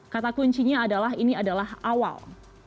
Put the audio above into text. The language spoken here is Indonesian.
kata kuncinya adalah ini adalah awal